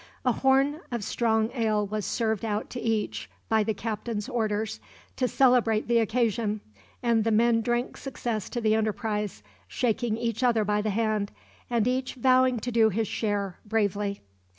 A horn of strong ale was served out to each, by the captain's orders, to celebrate the occasion; and the men drank success to the enterprise, shaking each other by the hand, and each vowing to do his share, bravely.